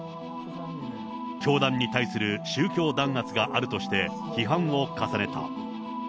教団に対する宗教弾圧があるとして、批判を重ねた。